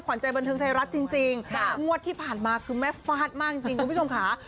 ใจบันเทิงไทยรัฐจริงงวดที่ผ่านมาคือแม่ฟาดมากจริงคุณผู้ชมค่ะ